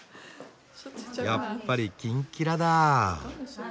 やっぱり金キラだ。